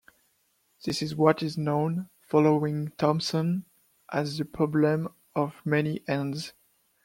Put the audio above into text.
This is what is known, following Thompson, as the problem of many hands.